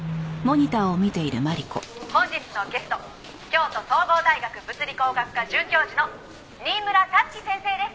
「本日のゲスト京都総合大学物理工学科准教授の新村辰希先生です」